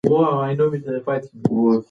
تاسي باید د هرې خبرې ثبوت ولرئ.